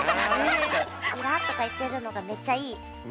「裏」とか言ってるのがめっちゃいい。